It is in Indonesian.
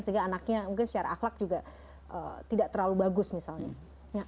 sehingga anaknya mungkin secara akhlak juga tidak terlalu bagus misalnya